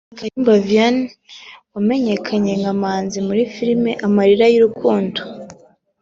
Kayumba Vianney wamenyekanye nka Manzi muri filime Amarira y’urukundo